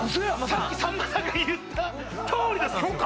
さっきさんまさんが言ったとおりです